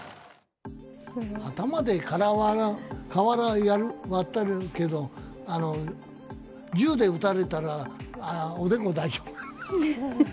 頭で瓦割ってるけど、銃で撃たれたら、おでこ大丈夫？